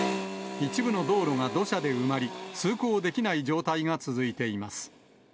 一部の道路が土砂で埋まり、通行できない状態が続いています。